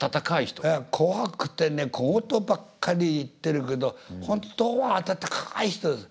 怖くて小言ばっかり言ってるけど本当は温かい人です。